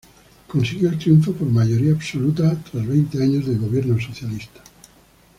Consiguió el triunfo por mayoría absoluta tras veinte años de gobierno socialista.